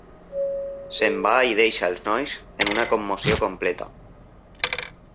Se"n va i deixa els nois en una commoció completa.